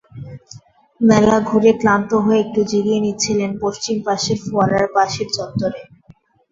মেলা ঘুরে ক্লান্ত হয়ে একটু জিরিয়ে নিচ্ছিলেন পশ্চিম পাশের ফোয়ারার পাশের চত্বরে।